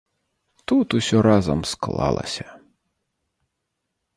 Тут усё разам склалася.